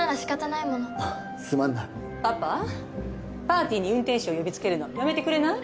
パーティーに運転手を呼びつけるのやめてくれない？